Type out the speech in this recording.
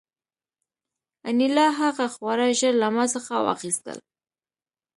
انیلا هغه خواړه ژر له ما څخه واخیستل